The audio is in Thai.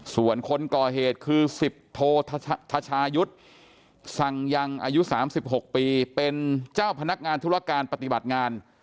ส่วนคนก่อเหตุคือ๑๐โททชายุทธ์สั่งยังอายุ๓๖ปีเป็นเจ้าพนักงานธุรการปฏิบัติงาน